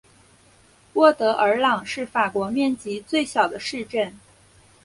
沃德尔朗是法国面积最小的市镇。